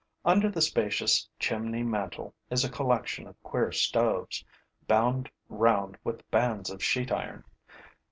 Under the spacious chimney mantel is a collection of queer stoves, bound round with bands of sheet iron.